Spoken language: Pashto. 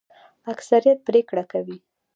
اکثریت پریکړه کوي